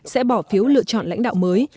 sẽ bỏ phiếu lựa chọn lãnh đạo mới